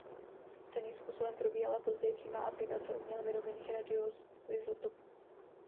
Stejným způsobem probíhala později přímá aplikace uměle vyrobených radioizotopů.